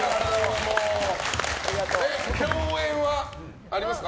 共演はありますか？